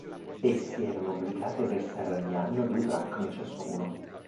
Essi erano obbligati a versare ogni anno due dracme ciascuno.